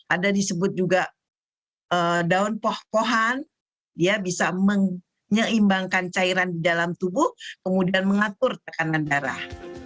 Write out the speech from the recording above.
ada disebut juga daun poh pohan dia bisa menyeimbangkan cairan di dalam tubuh kemudian mengatur tekanan darah